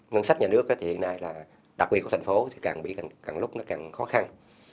ngân sách nhà nước thì hiện nay là đặc biệt của thành phố thì càng bị càng lúc nó càng khó khăn